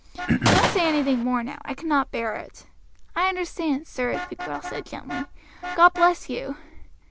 Don't say anything more now, I cannot bear it." "I understand, sir," the girl said gently. "God bless you!"